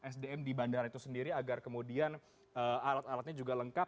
sdm di bandara itu sendiri agar kemudian alat alatnya juga lengkap